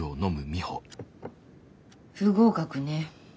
不合格ね。